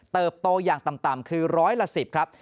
เติบโตอย่างต่ำคือ๑๐๐ละ๑๐ครับ